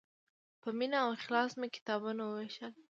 په مینه او اخلاص مې کتابونه ووېشل.